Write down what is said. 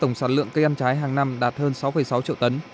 tổng sản lượng cây ăn trái hàng năm đạt hơn sáu sáu triệu tấn